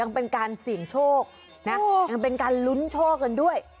เป็นการเสี่ยงโชคนะยังเป็นการลุ้นโชคกันด้วย